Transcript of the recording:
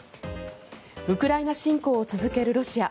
ウクライナ侵攻を続けるロシア。